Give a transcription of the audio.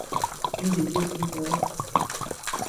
Music gives me joy.